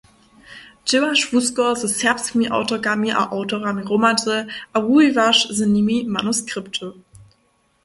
Dźěłaš wusko ze serbskimi awtorkami a awtorami hromadźe a wuwiwaš z nimi manuskripty.